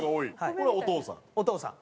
これはお父さん？